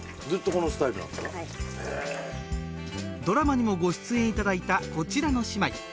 ドラマにもご出演いただいたこちらの姉妹。